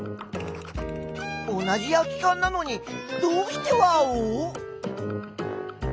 同じ空きかんなのにどうしてワオ？